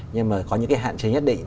nhưng mà có những cái hạn chế nhất định